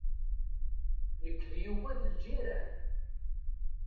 Nekk d Yuba d lǧiran.